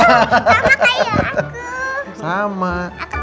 oh sama kayak aku